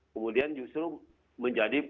kemudian justru menjadi